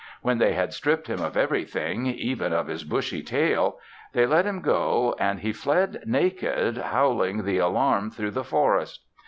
When they had stripped him of everything, even of his bushy tail, they let him go and he fled naked, howling the alarm through the forest.